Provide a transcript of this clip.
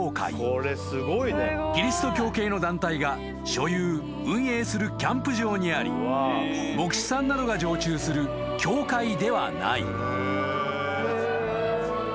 ［キリスト教系の団体が所有運営するキャンプ場にあり牧師さんなどが常駐する教会ではない］